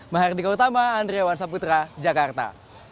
mahardika utama andrea wansa putra jakarta